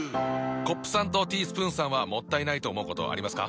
コップさんとティースプーンさんはもったいないと思うことありますか？